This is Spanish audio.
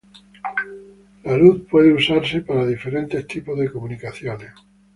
La luz puede usarse para diferentes tipos de comunicaciones.